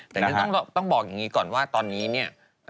แต่นี่ต้องบอกอย่างนี้ก่อนว่าตอนนี้เนี่ย